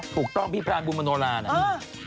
ถูกต้องพี่พรานบุญมโนลานะ